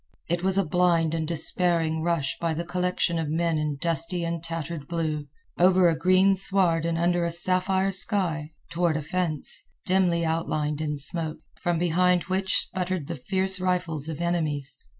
It was a blind and despairing rush by the collection of men in dusty and tattered blue, over a green sward and under a sapphire sky, toward a fence, dimly outlined in smoke, from behind which sputtered the fierce rifles of enemies.